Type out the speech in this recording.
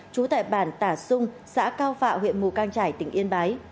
trú tại bản tà sung xã cao phạ huyện mù cang trải tỉnh yên bái